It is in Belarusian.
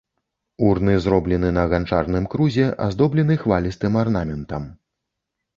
Урны зроблены на ганчарным крузе, аздоблены хвалістым арнаментам.